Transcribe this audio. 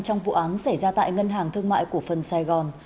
trong vụ án xảy ra tại ngân hàng thương mại của phần sài gòn